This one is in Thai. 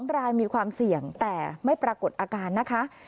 รายมีความเสี่ยงแต่ไม่ปรากฏอาการนะคะ